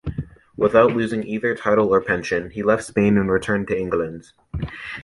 Without losing either title or pension, he left Spain and returned to England.